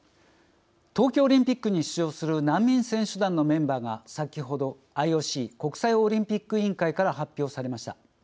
東京オリンピックに出場する難民選手団のメンバーが先ほどＩＯＣ国際オリンピック委員会から発表されました。